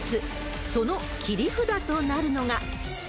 その切り札となるのが。